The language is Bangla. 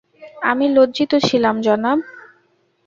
আমি লজ্জিত ছিলাম, জনাব।